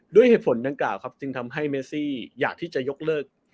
ด้วยเหตุผลดังกล่าวครับจึงทำให้เมซี่อยากที่จะยกเลิก